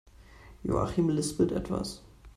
Joachim lispelt etwas.